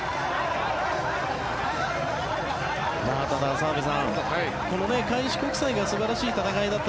澤部さん、この開志国際が素晴らしい戦いだった